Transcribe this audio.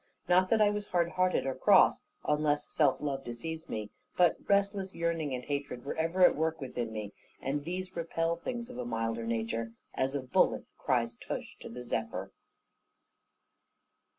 Not that I was hard hearted, or cross, (unless self love deceives me), but restless yearning and hatred were ever at work within me; and these repel things of a milder nature, as a bullet cries tush to the zephyr.